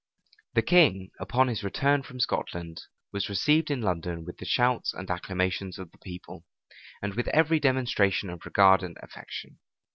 The king, upon his return from Scotland, was received in London with the shouts and acclamations of the people, and with every demonstration of regard and affection.